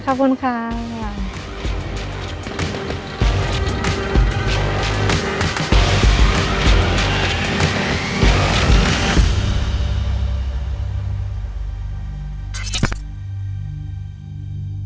ขอบคุณครับ